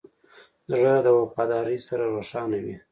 زړه د وفادارۍ سره روښانه وي.